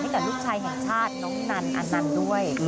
กับลูกชายแห่งชาติน้องนันอนันต์ด้วย